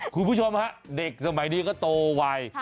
คุณผู้ชมฮะเด็กสมัยนี้ก็โตไว